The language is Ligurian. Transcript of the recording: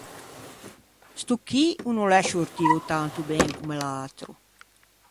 Sto chì o no l’é sciortio tanto ben comme l’atro.